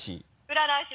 占い師？